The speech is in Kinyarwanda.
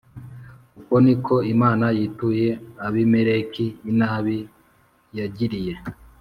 Uko ni ko Imana yituye Abimeleki inabi yagiriye